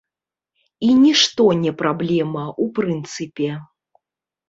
І нішто не праблема, у прынцыпе.